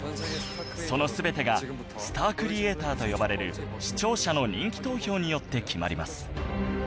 その全てがスタークリエイターと呼ばれる視聴者の人気投票によって決まります